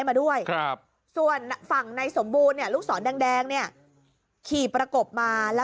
มาด้วยส่วนฝั่งในสมบูรณ์ลูกสอนแดงเนี่ยขี่ปรากฏมาแล้ว